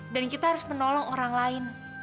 dan kita harus menolong orang lain